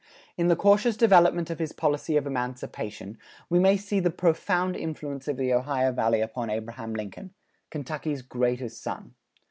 In the cautious development of his policy of emancipation, we may see the profound influence of the Ohio Valley upon Abraham Lincoln Kentucky's greatest son.